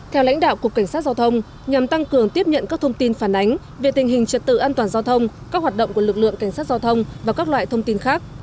theo lãnh đạo cục cảnh sát giao thông nhằm tăng cường tiếp nhận các thông tin phản ánh về tình hình trật tự an toàn giao thông các hoạt động của lực lượng cảnh sát giao thông và các loại thông tin khác